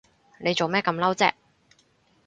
你做咩咁嬲啫？